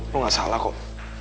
lu gak salah kok